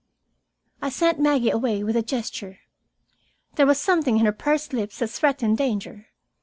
I sent Maggie away with a gesture. There was something in her pursed lips that threatened danger.